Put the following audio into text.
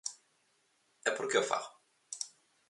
¿E por que o fago?